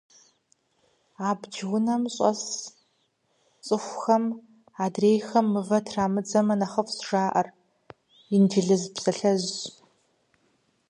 Абдж унэм щӏэс цӏыхухэм адрейхэм мывэ трамыдзэмэ нэхъыфӏщ, жеӏэр инджылыз псалъэжьым.